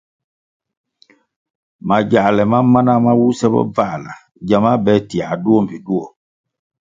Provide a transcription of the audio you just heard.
Magyāle ma mana ma wuse bobvāla gyama be tiā duo mbpi duo.